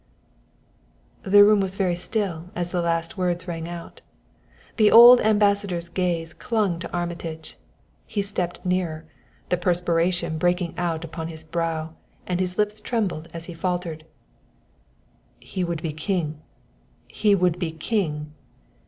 The room was very still as the last words rang out. The old Ambassador's gaze clung to Armitage; he stepped nearer, the perspiration breaking out upon his brow, and his lips trembled as he faltered: "He would be king; he would be king!"